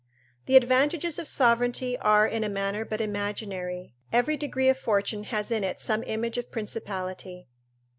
The advantages of sovereignty are in a manner but imaginary: every degree of fortune has in it some image of principality.